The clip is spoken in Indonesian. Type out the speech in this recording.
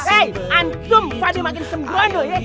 eh antum fadil makin sembrono ya